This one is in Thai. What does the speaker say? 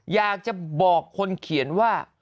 อยากจะบอกคนเขียนว่า